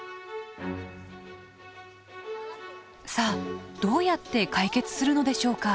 さあどうやって解決するのでしょうか。